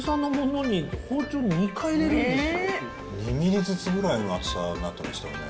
２ｍｍずつぐらいの厚さになってましたよね